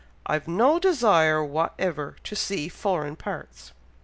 I've no desire whatever to see foreign parts!"